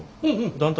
団体？